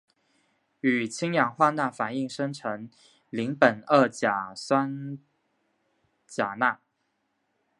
与氢氧化钠反应生成邻苯二甲酸钾钠。